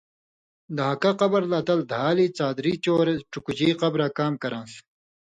دھان٘کہ قبرہ لا تل دھالیۡ څادری چور ڇُکژی قبراں کام کران٘س